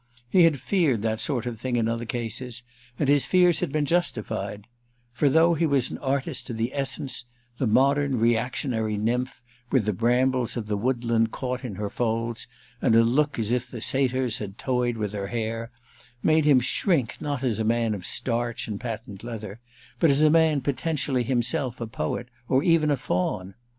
He had feared that sort of thing in other cases, and his fears had been justified; for, though he was an artist to the essence, the modern reactionary nymph, with the brambles of the woodland caught in her folds and a look as if the satyrs had toyed with her hair, made him shrink not as a man of starch and patent leather, but as a man potentially himself a poet or even a faun.